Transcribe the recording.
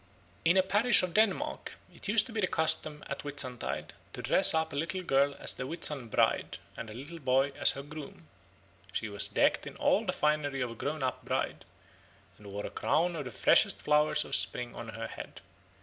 In a parish of Denmark it used to be the custom at Whitsuntide to dress up a little girl as the Whitsun bride and a little boy as her groom. She was decked in all the finery of a grown up bride, and wore a crown of the freshest flowers of spring on her head.